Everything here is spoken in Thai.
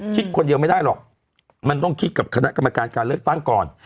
คิดคนเดียวไม่ได้หรอกมันต้องคิดกับคณะกรรมการการเลือกตั้งก่อน